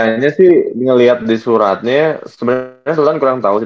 kayaknya sih liat di suratnya sebenernya seluruh tahun kurang tau sih